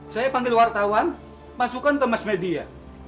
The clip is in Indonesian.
saya panggil wartawan masukkan ke mas media